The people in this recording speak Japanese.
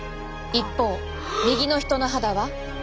一方右の人の肌は。